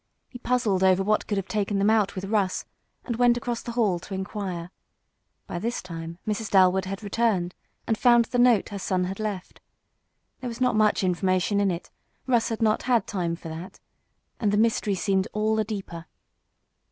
He puzzled over what could have taken them out with Russ, and went across the hall to inquire. By this time Mrs. Dalwood had returned, and found the note her son had left. There was not much information in it Russ had not had time for that and the mystery seemed all the deeper.